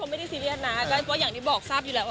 ไม่ได้เครื่องจริงแต่ทุกท่านรู้ครับ